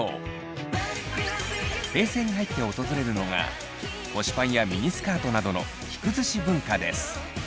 平成に入って訪れるのが腰パンやミニスカートなどの着崩し文化です。